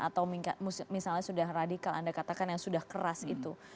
atau misalnya sudah radikal anda katakan yang sudah keras itu